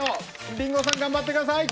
リンゴさん頑張ってください。